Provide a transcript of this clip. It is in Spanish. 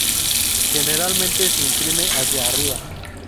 Generalmente se imprimen hacia arriba.